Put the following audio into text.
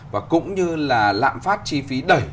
và cũng như là lạm phát chi phí đẩy